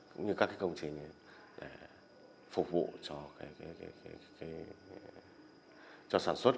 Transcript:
cũng như các công trình để phục vụ cho sản xuất